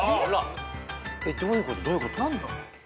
どういうことどういうこと？